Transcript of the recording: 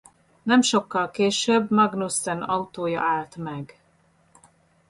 Nem sokkal később Magnussen autója állt meg.